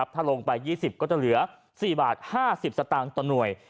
ถ้าลงไป๒๐ก็จะเหลือ๔บาท๕๐สตางค์ต่อหน่วย